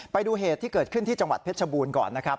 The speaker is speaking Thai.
ไปดูเหตุที่เกิดขึ้นที่จังหวัดเพชรชบูรณ์ก่อนนะครับ